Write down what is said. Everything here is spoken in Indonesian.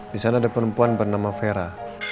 di sana ada perempuan bernama vera